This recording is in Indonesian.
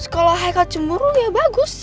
kalau highlight cemburu ya bagus